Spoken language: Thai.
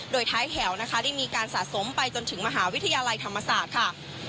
โดยท้ายแถวนะคะได้มีการสะสมไปจนถึงมหาวิทยาลัยธรรมศาสตร์ค่ะ